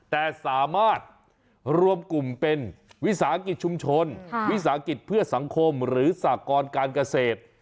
แต่สามารถรวมกลุ่มเป็นวิสาหกิจชุมชนวิสาหกิจเพื่อสังคมหรือสากรการเกษตร